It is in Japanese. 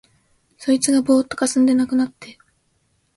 そいつがぼうっとかすんで無くなって、